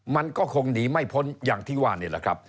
มันก็คงหนีไม่พ้นอย่างที่ว่านี่แหละครับ